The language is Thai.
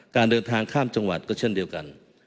การเดินทางข้ามจังหวัดก็เช่นเดียวกัน